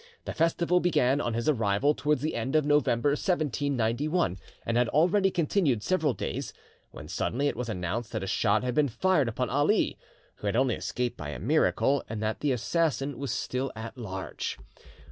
The festival began on his arrival towards the end of November 1791, and had already continued several days, when suddenly it was announced that a shot had been fired upon Ali, who had only escaped by a miracle, and that the assassin was still at large.